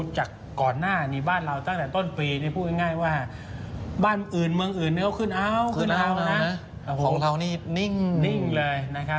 จากก่อนหน้านี่บ้านเราตั้งแต่ต้นปีนี่พูดง่ายบ้านอื่นเมืองอื่นเขาขึ้นอ้าวขึ้นอ้าวของเรานี่นิ่งนิ่งเลยนะครับ